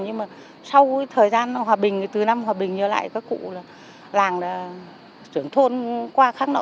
nhưng mà sau thời gian hòa bình từ năm hòa bình nhờ lại các cụ là làng là trưởng thôn qua khác nọ